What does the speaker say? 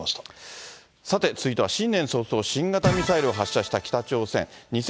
さて、続いては新年早々、新型ミサイルを発射した北朝鮮。